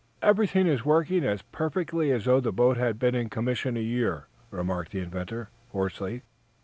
"Everything is working as perfectly as though the boat had been in commission a year," remarked the inventor, hoarsely.